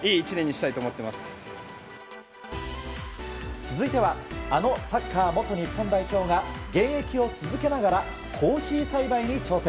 続いてはあのサッカー元日本代表が現役を続けながらコーヒー栽培に挑戦。